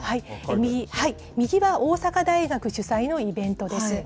右は大阪大学主催のイベントです。